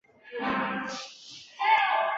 贝布尔河畔雅利尼人口变化图示